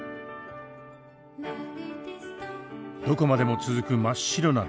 どこまでも続く真っ白な大地。